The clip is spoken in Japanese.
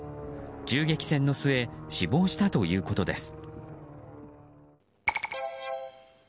銃撃戦の末死亡したということです。